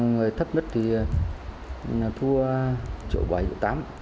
người thấp nhất thì thua một triệu bảy một triệu tám